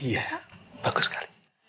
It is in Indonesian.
iya bagus sekali